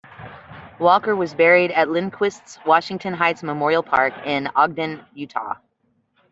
Walker was buried at Lindquist's Washington Heights Memorial Park in Ogden, Utah.